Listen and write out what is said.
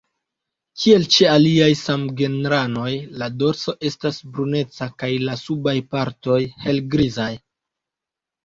Kiel ĉe aliaj samgenranoj la dorso estas bruneca kaj la subaj partoj helgrizaj.